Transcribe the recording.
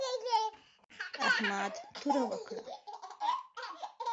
احمد توره وکړه